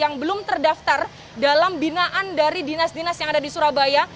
yang belum terdaftar dalam binaan dari dinas dinas yang ada di surabaya